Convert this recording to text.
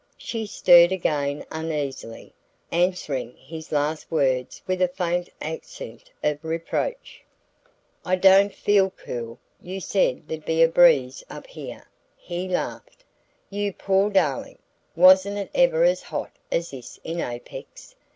She stirred again uneasily, answering his last words with a faint accent of reproach. "I don't FEEL cool. You said there'd be a breeze up here.". He laughed. "You poor darling! Wasn't it ever as hot as this in Apex?"